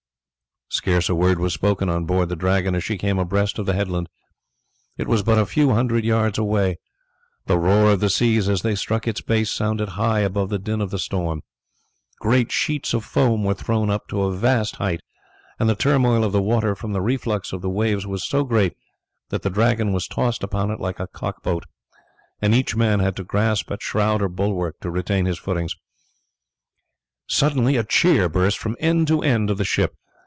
Scarce a word was spoken on board the Dragon as she came abreast of the headland. It was but a few hundred yards away. The roar of the seas as they struck its base sounded high above the din of the storm. Great sheets of foam were thrown up to a vast height, and the turmoil of the water from the reflux of the waves was so great that the Dragon was tossed upon it like a cock boat, and each man had to grasp at shroud or bulwark to retain his footing. Suddenly a cheer burst from end to end of the ship.